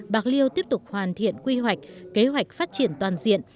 bạc liêu tiếp tục hoàn thiện quy hoạch kế hoạch phát triển toàn diện